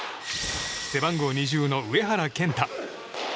背番号２７の上原健太。